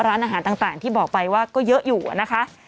ร้านอาหารต่างที่บอกไปว่าก็เยอะอยู่นะคะ